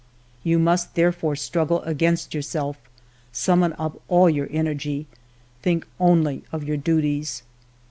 " You must therefore struggle against yourself, summon up all your energy, think only of your duties.